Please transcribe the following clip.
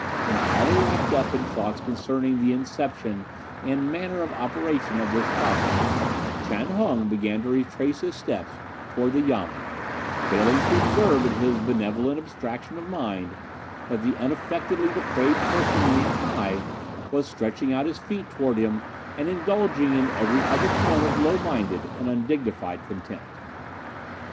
"Entirely wrapped up in thoughts concerning the inception and manner of operation of this project Chan Hung began to retrace his steps towards the Yamen, failing to observe in his benevolent abstraction of mind, that the unaffectedly depraved person Ming hi was stretching out his feet towards him and indulging in every other form of low minded and undignified contempt.